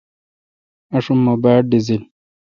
آشم مہ باڑ ڈزیل۔